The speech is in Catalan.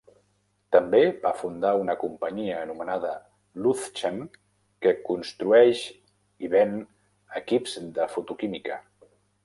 També va fundar una companyia anomenada Luzchem, que construeix i ven equips de fotoquímica.